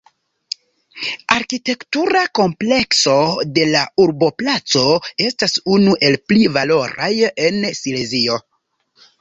Arkitektura komplekso de la urboplaco estas unu el pli valoraj en Silezio.